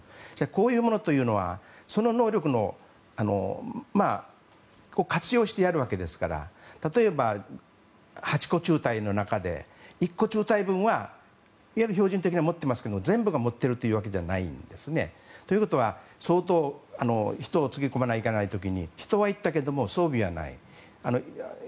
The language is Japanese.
こういうものというのはその能力を価値をしてやるわけですから８個中隊の中で１個中隊分は、いわゆる標準的には持っていますが全部が持っているわけじゃないんですね。ということは相当、人をつぎ込まないといけないときに人は行ったけど装備はない。